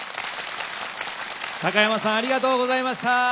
高山さんありがとうございました。